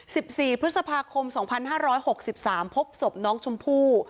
สิบสี่พฤษภาคมสองพันห้าร้อยหกสิบสามพบศพน้องชมพู่